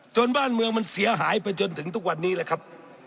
บ้านเมืองมันเสียหายไปจนถึงทุกวันนี้แหละครับ